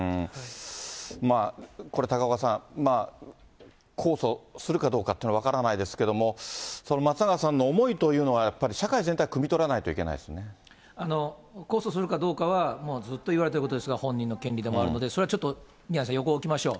これ、高岡さん、控訴するかどうかっていうのは分からないですけれども、松永さんの思いというのは、やっぱり社会全体、控訴するかどうかは、ずっと言われていることですが、本人の権利でもあるので、それはちょっと宮根さん、横置きましょう。